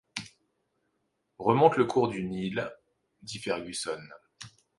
Remonte le cours du Nil, dit Fergusson.